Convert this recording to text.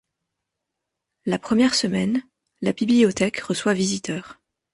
La première semaine, la bibliothèque reçoit visiteurs.